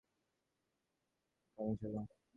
সতীশের এত অনুরোধের বিশেষ একটু কারণ ছিল।